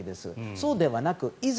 そうではなくいざ